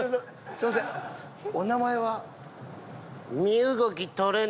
すいませんお名前は？